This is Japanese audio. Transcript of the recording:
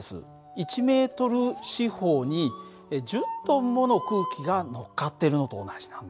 １ｍ四方に１０ｔもの空気がのっかってるのと同じなんですよ。